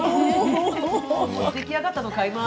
出来上がったのを買います。